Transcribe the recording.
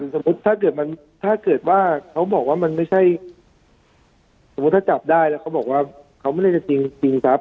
ถ้าเกิดมันถ้าเกิดว่าเขาบอกว่ามันไม่ใช่สมมุติถ้าจับได้แล้วเขาบอกว่าเขาไม่ได้จะจริงทรัพย